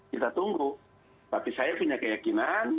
kita tunggu tapi saya punya keyakinan